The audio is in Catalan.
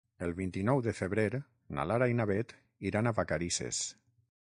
El vint-i-nou de febrer na Lara i na Beth iran a Vacarisses.